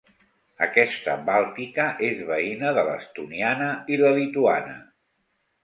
Aquesta bàltica és veïna de l'estoniana i la lituana.